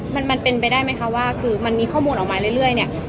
มันมันเป็นไปได้ไหมคะว่าคือมันมีข้อมูลออกมาเรื่อยเนี่ย